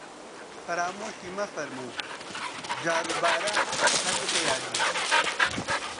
فەرامۆشی مەفەرموو، جاروبارە هەر بکە یادی